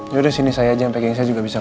yaudah sini saya aja yang pegang saya juga bisa